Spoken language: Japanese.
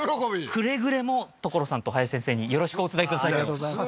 くれぐれも所さんと林先生によろしくお伝えくださいとありがとうございます